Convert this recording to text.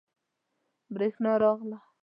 بریښنا راغله